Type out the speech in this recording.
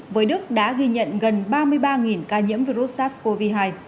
với đức đã ghi nhận gần ba mươi ba ca nhiễm virus sars cov hai